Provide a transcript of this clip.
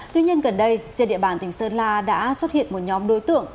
tuy nhiên gần đây trên địa bàn tỉnh sơn la đã xuất hiện một nhóm đối tượng